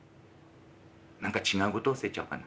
何か違うこと教えちゃおうかな。